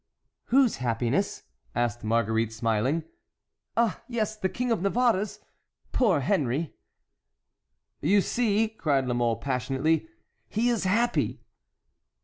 "Whose happiness?" asked Marguerite, smiling. "Ah, yes—the King of Navarre's! Poor Henry!" "You see," cried La Mole, passionately, "he is happy."